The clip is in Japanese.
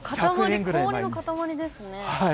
塊、氷の塊ですね。